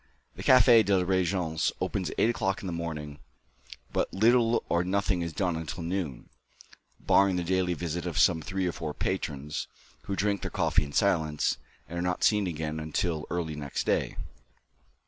The Café de la Régence opens at eight o'clock in the morning, but little or nothing is done until noon, barring the daily visit of some three or four patrons who drink their coffee in silence, and are not seen again until early next day.